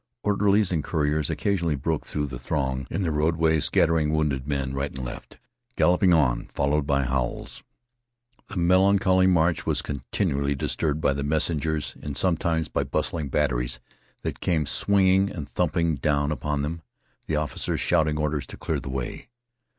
Orderlies and couriers occasionally broke through the throng in the roadway, scattering wounded men right and left, galloping on followed by howls. The melancholy march was continually disturbed by the messengers, and sometimes by bustling batteries that came swinging and thumping down upon them, the officers shouting orders to clear the way.